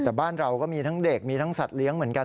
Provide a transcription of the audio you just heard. แต่บ้านเราก็มีทั้งเด็กมีทั้งสัตว์เลี้ยงเหมือนกัน